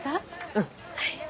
うん。